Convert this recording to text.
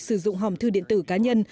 sử dụng hòm thư điện tử cá nhân